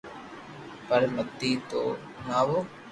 پر مني تو ھڻاو